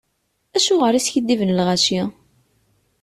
Acuɣer iskiddiben lɣaci?